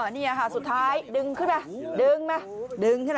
นี่สุดท้ายต้องดึงขึ้นไปดึงมาดึงใช่ค่ะ